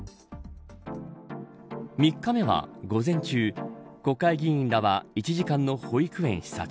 ３日目は午前中国会議員らは１時間の保育園視察。